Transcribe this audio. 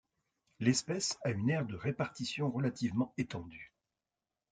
L'espèce a une aire de répartition relativement étendue.